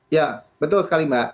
ya betul sekali mbak